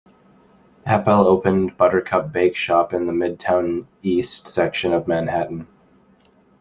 Appel opened Buttercup Bake Shop in the Midtown East section of Manhattan.